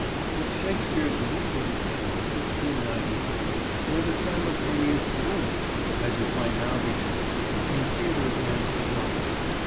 With Shakespeare's leap into fame, in 1592, went a simultaneous "boom," as it might now be termed, in theatres and the drama.